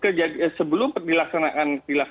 perjanjiannya untuk berusaha untuk memkonsumsi